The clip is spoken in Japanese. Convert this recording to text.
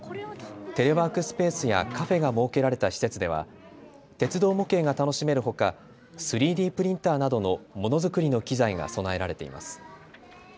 テレワークスペースやカフェが設けられた施設では鉄道模型が楽しめるほか３Ｄプリンターなどのものづくりの機材が備えられています。